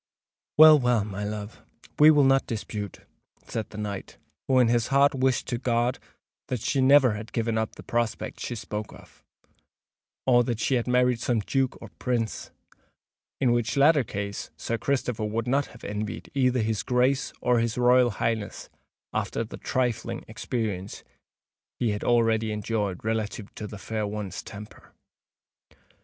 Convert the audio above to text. "Well—well, my love, we will not dispute," said the knight, who in his heart wished to God that she never had given up the prospects she spoke of; or that she had married some Duke or Prince—in which latter case Sir Christopher would not have envied either his Grace or his Royal Highness, after the trifling experience he had already enjoyed relative to the fair one's temper.